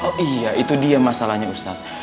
oh iya itu dia masalahnya ustadz